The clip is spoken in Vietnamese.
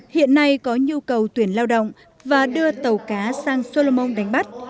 hiện nay có nhu cầu tuyển lao động và đưa tàu cá sang solomon đánh bắt